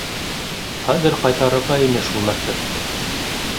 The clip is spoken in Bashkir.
Хәҙер ҡайтарырға ине шул мәктәпте.